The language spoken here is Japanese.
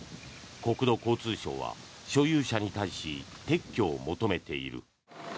国土交通省は所有者に対し撤去を求めている。